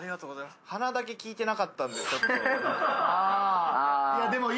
鼻だけ聞いてなかったんで。